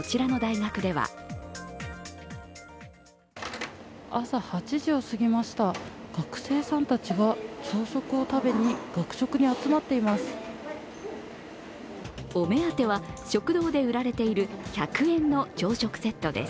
学生さんたちが朝食を食べに学食に集まっています。